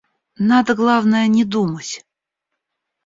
Надо, главное, не думать.